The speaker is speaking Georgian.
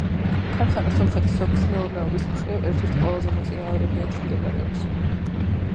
ქარხანა სომხეთის სოფლის მეურნეობის მხრივ ერთ-ერთ ყველაზე მოწინავე რეგიონში მდებარეობს.